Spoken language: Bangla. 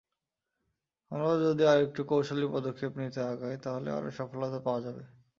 আমরা যদি আরেকটু কৌশলী পদক্ষেপ নিয়ে আগাই, তাহলে আরও সফলতা পাওয়া যাবে।